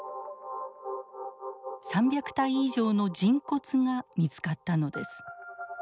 ３００体以上の人骨が見つかったのです。